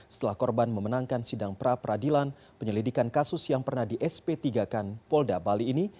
setelah korban memenangkan sidang pra peradilan penyelidikan kasus yang pernah di sp tiga kan polda bali ini